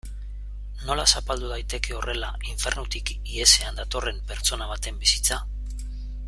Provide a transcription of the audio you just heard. Nola zapaldu daiteke horrela infernutik ihesean datorren pertsona baten bizitza?